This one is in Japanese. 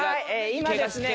今ですね